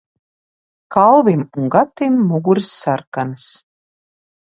Kalvim un Gatim muguras sarkanas.